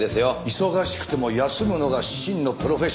忙しくても休むのが真のプロフェッショナルだぞ。